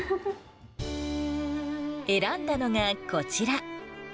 選んだのがこちら。